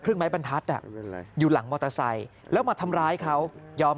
ไม้บรรทัศน์อยู่หลังมอเตอร์ไซค์แล้วมาทำร้ายเขายอม